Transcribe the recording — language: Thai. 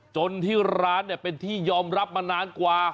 จนที่ร้านเป็นที่ยอมรับมานานกว่า